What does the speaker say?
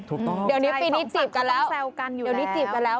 ถูกต้องสองฝั่งเขาต้องแซวกันอยู่แล้วเดี๋ยวนี้จีบกันแล้ว